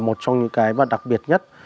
một trong những cái đặc biệt nhất